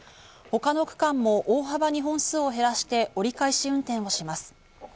他の区間も大幅に本数を減らして折り返し運転をします。